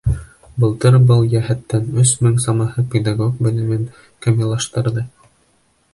Былтыр был йәһәттән өс мең самаһы педагог белемен камиллаштырҙы.